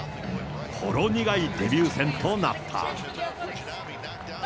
ほろ苦いデビュー戦となった。